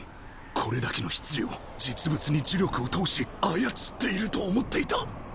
これだけの質量実物に呪力を通し操っていると思っていた。